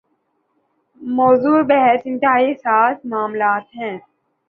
موضوع بحث انتہائی حساس معاملات ہیں۔